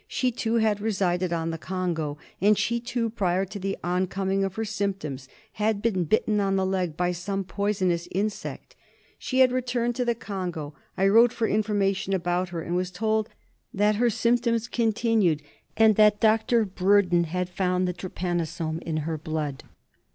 She too had resided on the Congo, and she too, prior to the oncoming of her symptoms, had been bitten on the leg by some poisonous insect. She had returned to the Congo. I wrote for information about her and was told that her symptoms continued, and that Dr. Broeden had found the trypanosome in her blood.